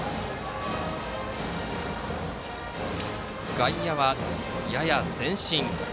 外野はやや前進。